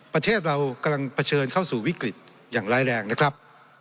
ประเทศเรากำลังเผชิญเข้าสู่วิกฤตอย่างร้ายแรงนะครับ